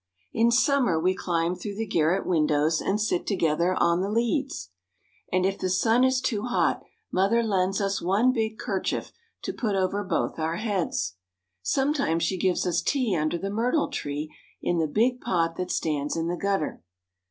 In summer we climb through the garret windows and sit together on the leads, And if the sun is too hot Mother lends us one big kerchief to put over both our heads. Sometimes she gives us tea under the myrtle tree in the big pot that stands in the gutter.